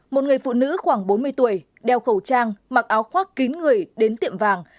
một người phụ nữ khoảng bốn mươi tuổi đeo khẩu trang mặc áo khoác kín người đến tiệm vàng